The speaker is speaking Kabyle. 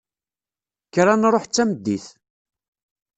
Kker ad nṛuḥ d tameddit.